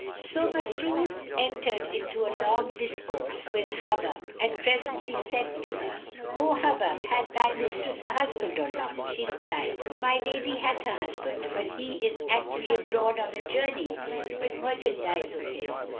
So Masrur entered into a long discourse with Hubub and presently said to her, "O Hubub, hath thy mistress a husband or not?" She replied, "My lady hath a husband; but he is actually abroad on a journey with merchandise of his."